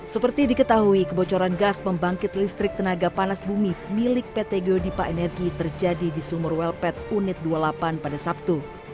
seperti diketahui kebocoran gas pembangkit listrik tenaga panas bumi milik pt geodipa energi terjadi di sumur welpet unit dua puluh delapan pada sabtu